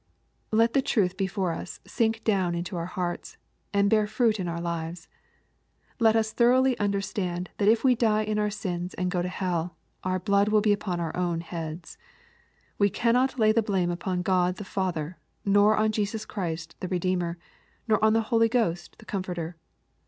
Let the truth before us sink down into our hearts, and hear fruit in our lives. Let us thoroughly under stand that if we die in our sins and go to hell, our blood will be upon our own heads. We cannot lay the blame on God the Father, nor on Jesus Christ the Eedeemer, nor on the Holy Ghost the Comforter.